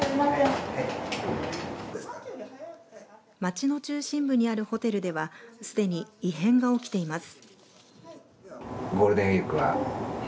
町の中心部にあるホテルではすでに異変が起きています。